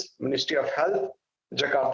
kementerian kesehatan jakarta